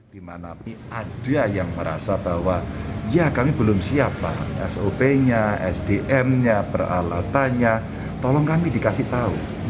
di mana ada yang merasa bahwa ya kami belum siap pak sop nya sdm nya peralatannya tolong kami dikasih tahu